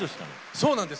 そうなんです。